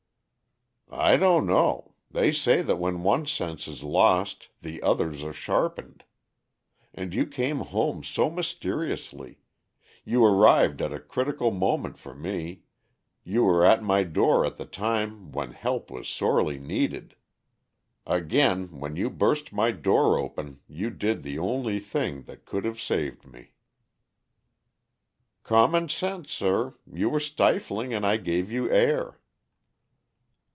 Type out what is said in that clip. "I don't know; they say that when one sense is lost the others are sharpened. And you came home so mysteriously, you arrived at a critical moment for me, you were at my door at the time when help was sorely needed. Again, when you burst my door open you did the only thing that could have saved me." "Common sense, sir. You were stifling and I gave you air."